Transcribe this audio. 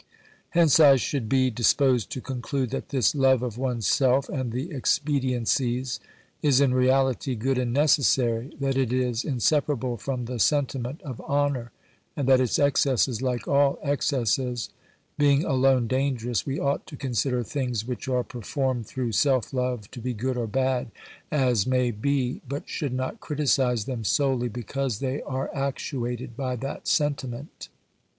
Hence I should be disposed to conclude that this love of one's self, and the expediencies, is in reality good and necessary, that it is inseparable from the sentiment of honour, and that its excesses, like all excesses, being alone dangerous, we ought to consider things which are performed through self love to be good or bad, as may be, but should not criticise them solely because they are actuated by that sentiment.